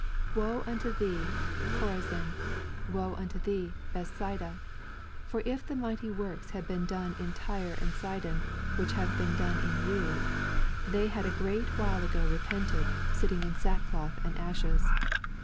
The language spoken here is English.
18 Woe unto thee. Ohorazin I woe unto thee, Bethsaida ! for if the mighty works had been done in Tyre ana Si don, which have been done in you, the^ had a great while ago repented, sittingin sackcloth and ashes.